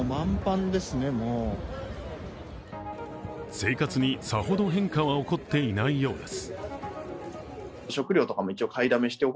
生活にさほど変化は起こっていないようです。